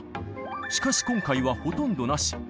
しかし今回はほとんどなし。